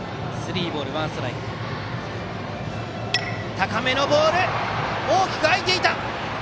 高めのボール大きく空いていた外野。